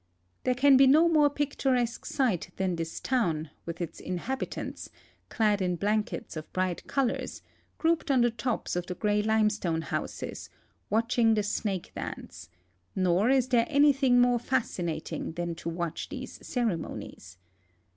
There can be no more picturesque sight than this town, with its inhabitants, clad in blankets of bright colors, grouped on the tops of the gray limestone houses, watching the snake dance, nor is there anything more fascinating than to watch these ceremonies.